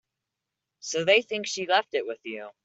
So they think she left it with you.